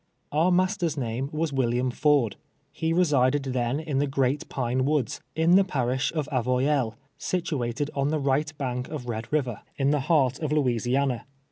Our master's name was "William Ford. lie resided then in the " Great Pine Woods," in the parish of Avoyelles, situated ou the right bank of Red River, 90 TWEI VE YEARS A SLAVE. in tlio hoart of Louisiana.